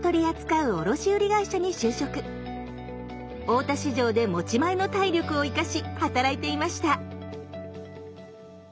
大田市場で持ち前の体力を生かし働いていました。